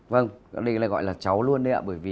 vâng đây lại gọi là cháu luôn đấy ạ bởi vì